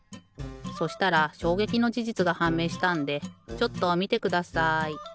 そしたらしょうげきのじじつがはんめいしたんでちょっとみてください。